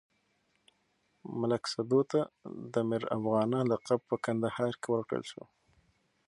ملک سدو ته د ميرافغانه لقب په کندهار کې ورکړل شو.